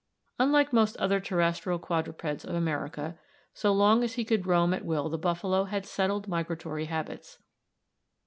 Unlike most other terrestrial quadrupeds of America, so long as he could roam at will the buffalo had settled migratory habits.